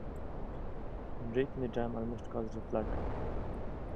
A break in the dam almost caused a flood.